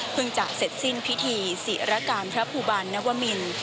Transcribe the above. จะเสร็จสิ้นพิธีศิรการพระภูบาลนวมิน